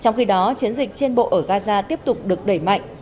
trong khi đó chiến dịch trên bộ ở gaza tiếp tục được đẩy mạnh